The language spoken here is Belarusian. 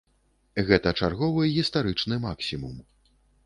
Гэта чарговы гістарычны максімум.